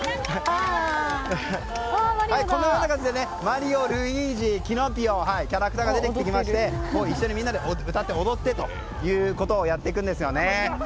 マリオ、ルイージ、キノピオキャラクターが出てきまして一緒にみんなで歌って踊ってということをやっていくんですね。